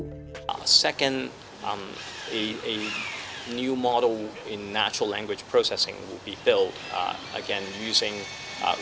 pertama model baru dalam proses pengiriman bahasa asli akan dibangun